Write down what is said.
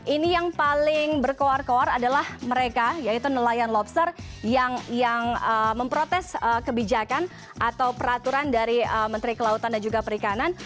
ini yang paling berkoar koar adalah mereka yaitu nelayan lobster yang memprotes kebijakan atau peraturan dari menteri kelautan dan juga perikanan